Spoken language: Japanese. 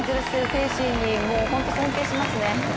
精神に本当に尊敬しますね。